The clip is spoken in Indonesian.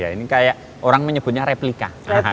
ini kayak orang menyebutnya replika